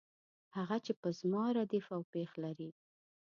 هغه چې په زما ردیف او پیښ لري.